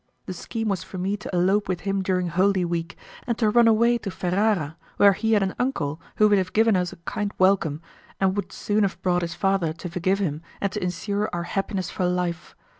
The scheme was for me to elope with him during holy week, and to run away to Ferrara, where he had an uncle who would have given us a kind welcome, and would soon have brought his father to forgive him and to insure our happiness for life.